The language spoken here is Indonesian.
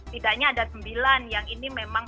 tidaknya ada sembilan yang ini memang